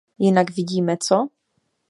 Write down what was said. Jinak vidíme co?